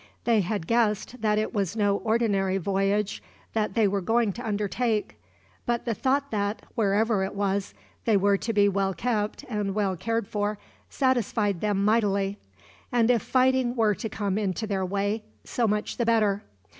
They had guessed that it was no ordinary voyage they were going to undertake; but the thought that, wherever it was, they were to be well kept and well cared for, satisfied them mightily; and if fighting were to come into their way, so much the better.